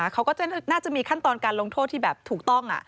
เขาก็น่าจะมีขั้นตอนการลงโทษที่แบบถูกต้อง